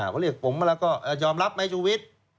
พอเรียกผมมาแล้วก็ยอมรับไหมชูวิทย์